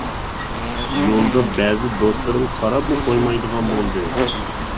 يولدا بەزى دوستلىرىڭ قاراپمۇ قويمايدىغان بولدى.